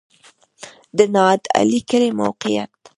د نادعلي کلی موقعیت